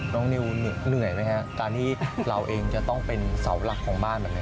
นิวเหนื่อยไหมฮะการที่เราเองจะต้องเป็นเสาหลักของบ้านแบบนี้